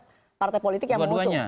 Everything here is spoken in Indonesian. partai politik yang mengusung